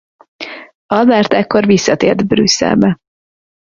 Albert ekkor visszatért Brüsszelbe.